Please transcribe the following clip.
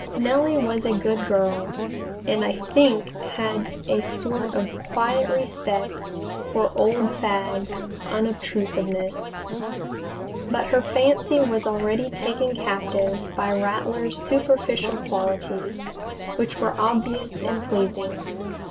Nellie was a good girl, and I think had a sort of quiet respect for old Fagg's unobtrusiveness. But her fancy was already taken captive by Rattler's superficial qualities, which were obvious and pleasing.